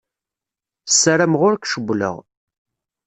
Ssarameɣ ur k-cewwleɣ.